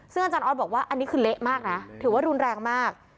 ซึ่งอาจารย์ออสบอกว่าอันนี้คือเละมากนะถือว่ารุนแรงมาก